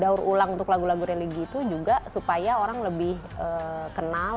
daur ulang untuk lagu lagu religi itu juga supaya orang lebih kenal